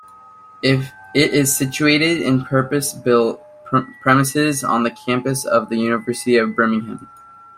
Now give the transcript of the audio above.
It is situated in purpose-built premises on the campus of the University of Birmingham.